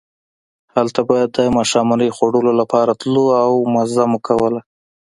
هلته به د ماښامنۍ خوړلو لپاره تلو او مزه مو کوله.